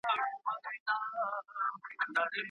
ښه ذهنیت وخت نه خرابوي.